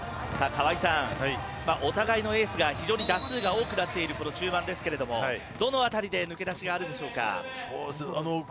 川合さん、お互いのエースが非常に打数が多くなっている中盤ですがどの辺りで抜け出しがあるんでしょうか？